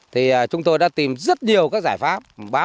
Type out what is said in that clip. thì chúng tôi đã tìm rất nhiều các giải pháp